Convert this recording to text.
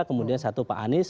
kemudian satu pak anies